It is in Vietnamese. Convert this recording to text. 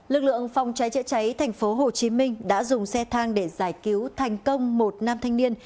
lực lượng phòng cháy chữa cháy tp hcm đã dùng xe thang để giải cứu thành công một nam thanh niên